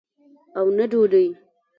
او نه ډوډۍ.